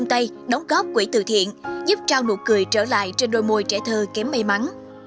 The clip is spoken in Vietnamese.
tổng góp quỹ từ thiện giúp trao nụ cười trở lại trên đôi môi trẻ thơ kém may mắn